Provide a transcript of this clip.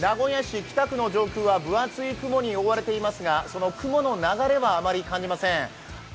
名古屋市北区の上空は分厚い雲に覆われていますがその雲の流れはあまり感じません。